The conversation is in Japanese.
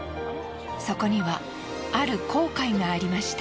そこにはある後悔がありました。